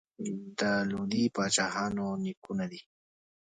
د لودي پاچاهانو نیکونه دي.